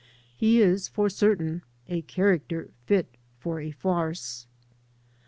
He is, for certun, a character fit ita a farce.